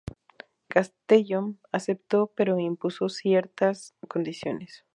Castelló aceptó pero impuso ciertas condiciones.